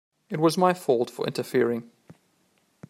It was my fault for interfering.